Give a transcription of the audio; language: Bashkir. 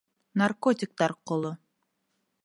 Наркотиктар ҡоло.